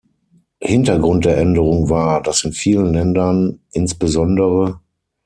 Hintergrund der Änderung war, dass in vielen Ländern, insbes.